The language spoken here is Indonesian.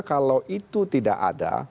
kalau itu tidak ada